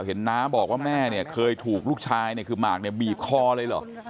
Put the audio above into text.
น้าบอกว่าแม่เนี่ยเคยถูกลูกชายเนี่ยคือหมากเนี่ยบีบคอเลยเหรอ